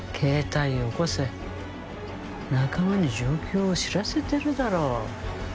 仲間に状況を知らせてるだろ。